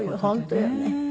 本当よね。